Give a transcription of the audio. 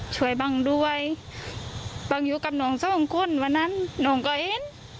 ช่วยบ้างด้วยบ้างอยู่กับน้องสองคนวันนั้นน้องก็เห็น